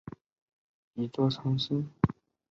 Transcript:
蒙哥马利是美国俄亥俄州汉密尔顿县的一座城市。